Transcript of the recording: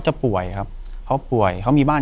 อยู่ที่แม่ศรีวิรัยิลครับ